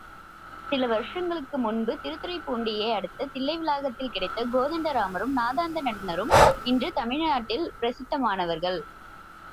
சில வருஷங்களுக்கு முன்பு திருத்துறைப்பூண்டியை அடுத்த தில்லைவிளாகத்தில் கிடைத்த கோதண்ட ராமரும், நாதாந்த நடனரும், இன்று தமிழ்நாட்டில் பிரசித்தமானவர்கள்.